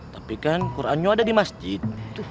tapi kan qurannya ada di masjid